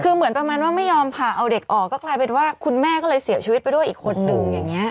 คือเหมือนประมาณว่าไม่ยอมผ่าเอาเด็กออกก็กลายเป็นว่าคุณแม่ก็เลยเสียชีวิตไปด้วยอีกคนนึงอย่างนี้